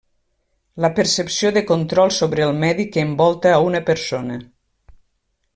La percepció de control sobre el medi que envolta a una persona.